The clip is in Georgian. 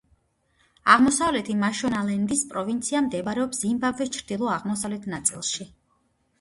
აღმოსავლეთი მაშონალენდის პროვინცია მდებარეობს ზიმბაბვეს ჩრდილო-აღმოსავლეთ ნაწილში.